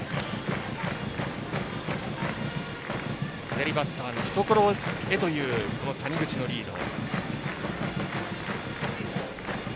左バッターの懐へという谷口のリード。